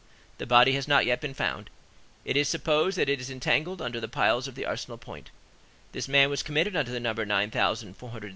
The body has not yet been found; it is supposed that it is entangled among the piles of the Arsenal point: this man was committed under the number 9,430, and his name was Jean Valjean."